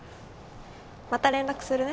また連絡するね。